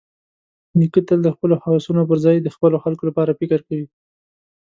نیکه تل د خپلو هوسونو پرځای د خپلو خلکو لپاره فکر کوي.